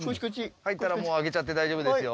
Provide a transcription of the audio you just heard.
入ったらもうあげちゃって大丈夫ですよ。